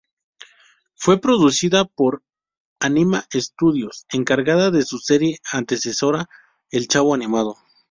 Fue producida por Ánima Estudios, encargada de su serie antecesora, "El Chavo animado".